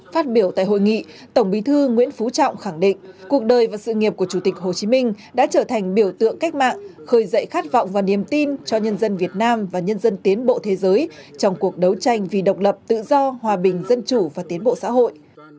phát biểu tại hội nghị tổng bí thư nguyễn phú trọng khẳng định cuộc đời và sự nghiệp của chủ tịch hồ chí minh đã trở thành biểu tượng cách mạng khơi dậy khát vọng và niềm tin cho nhân dân việt nam và nhân dân tiến bộ thế giới trong cuộc đấu tranh vì độc lập tự do hòa bình dân chủ và tiến bộ xã hội